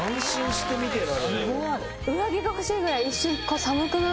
上着が欲しいぐらい。